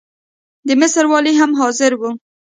د مصر والي هم حاضر وو.